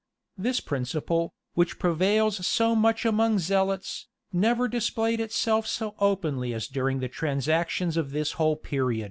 This principle, which prevails so much among zealots, never displayed itself so openly as during the transactions of this whole period.